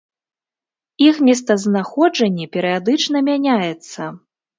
Іх месцазнаходжанне перыядычна мяняецца.